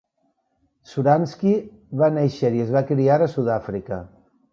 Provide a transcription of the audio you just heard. Suransky va néixer i es va criar a Sud-àfrica.